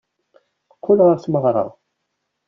Teqqel ɣer tmeɣra.